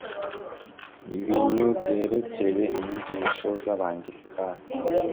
ibinyu byerekeye inyigisho z’abangilikani